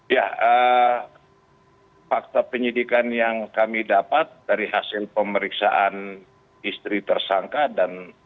ya fakta penyidikan yang kami dapat dari hasil pemeriksaan istri tersangka dan